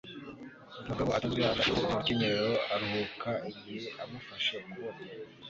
Mugabo atazuyaje ashyira ukuboko mu rukenyerero, aruhuka igihe amufashe ukuboko.